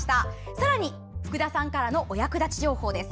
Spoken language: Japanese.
さらに、福田さんからのお役立ち情報です。